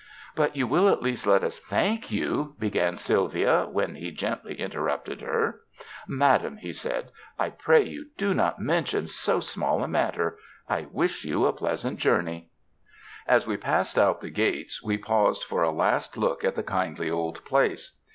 ''But you will at least let us thank you —" began Sylvia, when he gently interrupted her. "Madam," said he, "I pray you do not mention so small a matter. I wish you a pleasant journey." As we passed out the gates, we paused for a last look at the kindly old place.